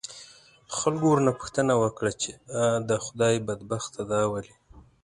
خلکو ورنه پوښتنه وکړه، چې آ د خدای بدبخته دا ولې؟